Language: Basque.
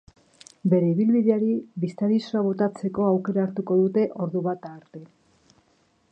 Bere ibilbideari bistadizoa botatzeko aukera hartuko dute ordubata arte.